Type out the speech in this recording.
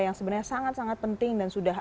yang sebenarnya sangat sangat penting dan sudah